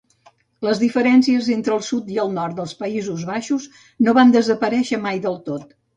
Les diferències entre el sud i el nord dels Països Baixos no van desaparèixer mai del tot.